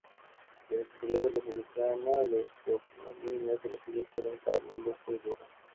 Durante el periodo republicana, los "cognomina" conocidos fueron Calvo, Lupo y Rufo.